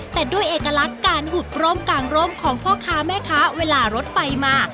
แต่ด้วยเอกลักษณ์การหุดร่มกลางร่มของพ่อค้าแม่ค้าเวลารถไฟมา